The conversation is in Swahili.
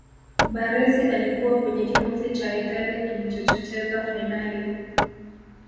baressi alikuwa kwenye kikosi cha italia kilichocheza fainali